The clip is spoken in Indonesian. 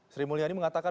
sri mulyani mengatakan